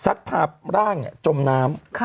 ซักภาพร่างจมน้ำ